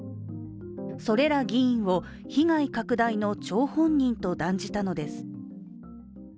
それら議員を、被害拡大の張本人と断じたのです。